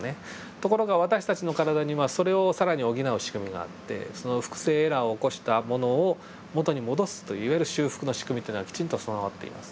ところが私たちの体にはそれを更に補う仕組みがあってその複製エラーを起こしたものを元に戻すといわゆる修復の仕組みというのはきちんと備わっています。